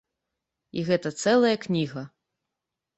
І гэта цэлая кніга.